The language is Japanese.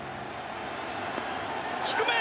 低め！